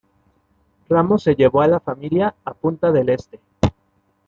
Ramos se llevó a la familia a Punta del Este.